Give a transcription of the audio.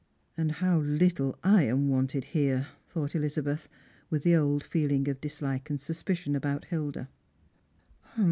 " And how little I am wanted here !" thought Elizabeth, with the old feeling of dislike and suspicion about Hilda.